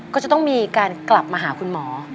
ก็จะต้องมีการกลับมาหาคุณหมอ